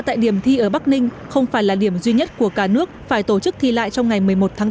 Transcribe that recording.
sự cố xảy ra tại điểm thi ở bắc ninh không phải là điểm duy nhất của cả nước phải tổ chức thi lại trong ngày một mươi một tháng tám